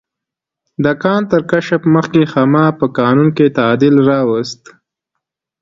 د کان تر کشف مخکې خاما په قانون کې تعدیل راوست.